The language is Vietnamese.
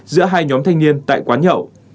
giữa hai nhóm thanh niên tại quán nhậu